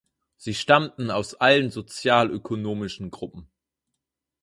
Sie stammten aus allen sozialökonomischen Gruppen.